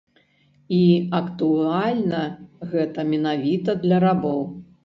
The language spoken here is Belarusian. І актуальна гэта менавіта для рабоў.